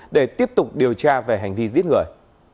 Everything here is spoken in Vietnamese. để tiếp tục điều tra về hành vi giết người